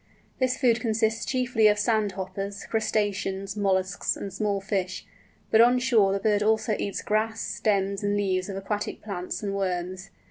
This food consists chiefly of sand hoppers, crustaceans, molluscs, and small fish; but on shore the bird also eats grass, stems and leaves of aquatic plants, and worms.